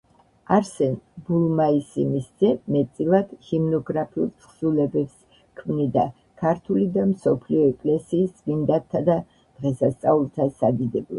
არსენ ბულმაისიმისძე მეტწილად ჰიმნოგრაფიულ თხზულებებს ქმნიდა ქართული და მსოფლიო ეკლესიის წმინდანთა და დღესასწაულთა სადიდებლად.